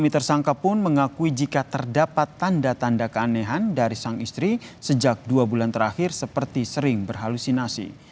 tersangka pun mengakui jika terdapat tanda tanda keanehan dari sang istri sejak dua bulan terakhir seperti sering berhalusinasi